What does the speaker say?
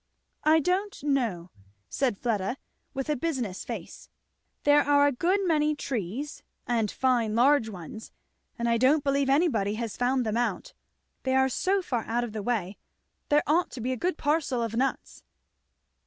"I don't know," said Fleda with a business face, "there are a good many trees, and fine large ones, and I don't believe anybody has found them out they are so far out of the way; there ought to be a good parcel of nuts."